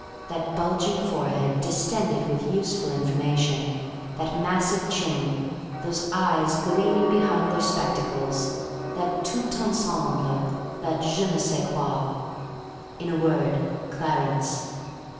That bulging forehead, distended with useful information; that massive chin; those eyes, gleaming behind their spectacles; that tout ensemble; that je ne sais quoi. In a word, Clarence!